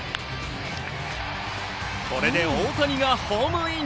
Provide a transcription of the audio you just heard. これで大谷がホームイン。